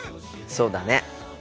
そうだね。